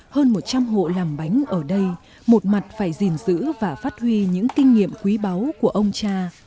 hơn một trăm linh hộ làm bánh ở đây một mặt phải gìn giữ và phát huy những kinh nghiệm quý báu của ông cha